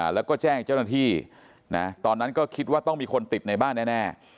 แล้วก็แจ้งเจ้าหน้าที่ตอนนั้นก็คิดว่าต้องมีคนติดในบ้านแน่